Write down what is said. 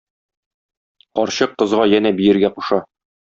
Карчык кызга янә биергә куша.